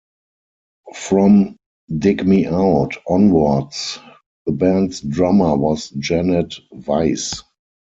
From "Dig Me Out" onwards, the band's drummer was Janet Weiss.